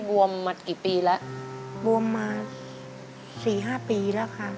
บวมมา๔๕ปีแล้วค่ะ